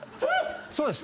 そうです！